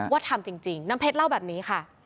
ทำจริงน้ำเพชรเล่าแบบนี้ค่ะ